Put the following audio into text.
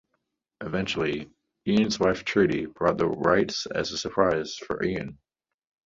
Eventually, Ian's wife Trudi bought the rights as a surprise for Ian.